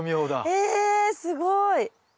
えすごい。